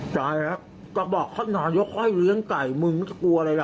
จ่ายแล้วก็บอกเขาหน่อยยกให้เลี้ยงไก่มึงไม่จะกลัวอะไรหรอก